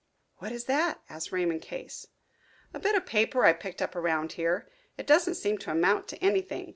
"What is that?" asked Raymond Case. "A bit of paper I picked up around here. It doesn't seem to amount to anything.